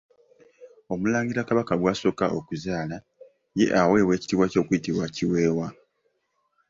Omulangira kabaka gw'asooka okuzaala, ye aweebwa ekitiibwa eky'okuyitibwa Kiweewa.